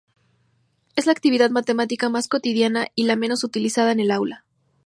Es la actividad matemática más cotidiana y la menos utilizada en el aula.